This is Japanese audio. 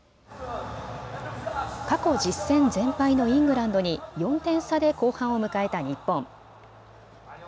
過去１０戦全敗のイングランドに４点差で後半を迎えた日本。